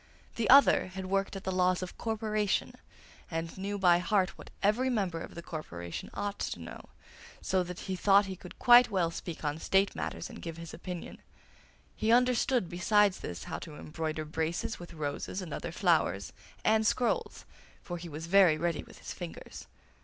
The other had worked at the laws of corporation, and knew by heart what every member of the corporation ought to know, so that he thought he could quite well speak on State matters and give his opinion. He understood, besides this, how to embroider braces with roses and other flowers, and scrolls, for he was very ready with his fingers.